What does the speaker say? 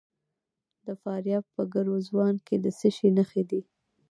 د فاریاب په ګرزوان کې د څه شي نښې دي؟